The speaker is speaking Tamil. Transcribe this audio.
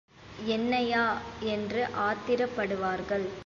என்னையா என்று ஆத்திரப்படுவார்கள்.